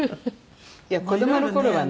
いや子供の頃はね。